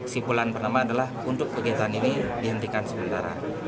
simpulan pertama adalah untuk kegiatan ini dihentikan sementara